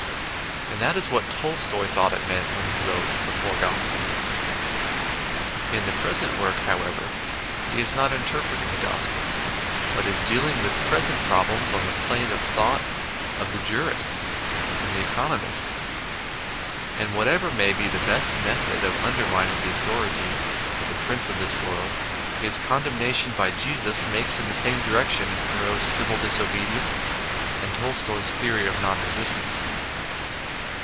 And that is what Tolstoy thought it meant when he wrote The Four Gospels. In the present work, however, he is not inter preting the Gospels, but is dealing with present problems on the plane of thought of the jurists and the economists. And whatever may be the best method of undermining the authority of the prince of this world, his condemnation by Jesus makes in the same direction as Thoreau's " Civil Disobedience " and Tolstoy's theory of " Non Eesistance."